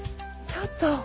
ちょっと。